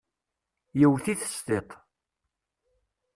Yewwet-it s tiṭ.